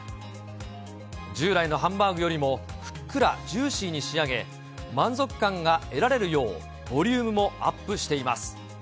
従来のハンバーグよりもふっくらジューシーに仕上げ、満足感が得られるよう、ボリュームもアップしています。